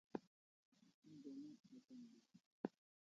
Onja mos pachem dai